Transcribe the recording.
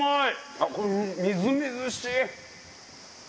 あれ、これみずみずしい。